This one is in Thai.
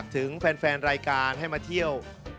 โทษไปเลย